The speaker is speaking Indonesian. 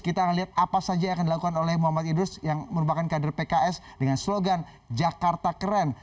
kita akan lihat apa saja yang akan dilakukan oleh muhammad idrus yang merupakan kader pks dengan slogan jakarta keren